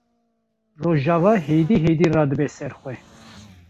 Rojava hêdî hêdî radibe ser xwe.